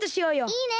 いいね！